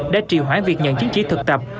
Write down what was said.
đã triều hóa việc nhận chiến trí thực tập